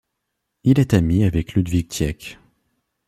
Il est ami avec Ludwig Tieck.